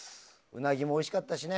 ウナギもおいしかったしね。